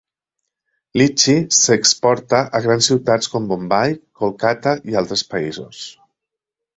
Lychee s'exporta a grans ciutats com Bombay, Kolkata i altres països.